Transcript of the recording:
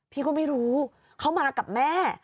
พี่ก็ไม่รู้เขามากับแม่